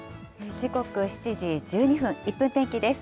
時刻７時１２分、１分天気です。